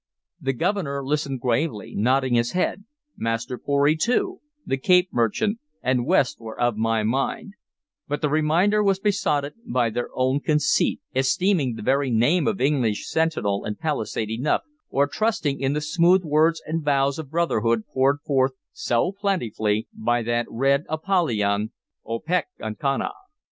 The Governor listened gravely, nodding his head; Master Pory, too, the Cape Merchant, and West were of my mind; but the remainder were besotted by their own conceit, esteeming the very name of Englishman sentinel and palisade enough, or trusting in the smooth words and vows of brotherhood poured forth so plentifully by that red Apollyon, Opechancanough.